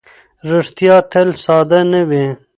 ریښتیا تل ساده نه وي.